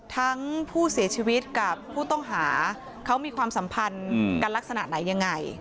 ทั้งผู้เสียชีวิตกับผู้ต้องหาเขามีความสัมพันธ์กันลักษณะไหนยังไง